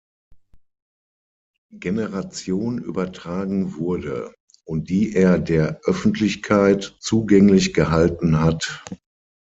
Generation übertragen wurde, und die er der Öffentlichkeit zugänglich gehalten hat.